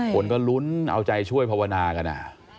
คนก็ลุ้นเอาใจช่วยภาวนากัน